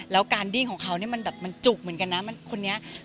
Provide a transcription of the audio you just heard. แล้วการดิ้งแบบคือการจุกเหมือนกัน